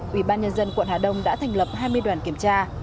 ủy ban nhân dân quận hà đông đã thành lập hai mươi đoàn kiểm tra